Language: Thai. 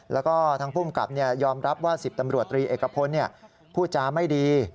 แล้วก็ทางภูมิกับยอมรับว่า๑๐ตำรวจตรีเอกพลพูดจาไม่ดี